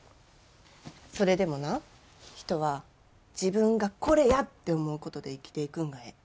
それでもな人は自分が「これや！」って思うことで生きていくんがええ。